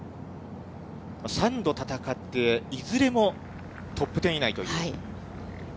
３度戦って、いずれもトップ１０以内という。